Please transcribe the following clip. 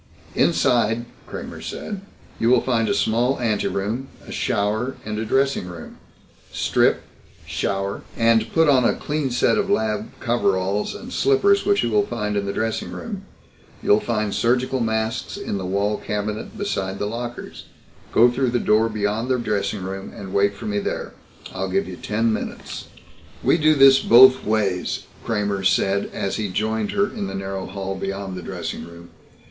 "Inside," Kramer said, "you will find a small anteroom, a shower, and a dressing room. Strip, shower, and put on a clean set of lab coveralls and slippers which you will find in the dressing room. You'll find surgical masks in the wall cabinet beside the lockers. Go through the door beyond the dressing room and wait for me there. I'll give you ten minutes." "We do this both ways," Kramer said as he joined her in the narrow hall beyond the dressing room.